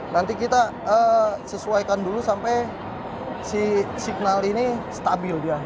nanti kita sesuaikan dulu sampai si signal ini stabil dia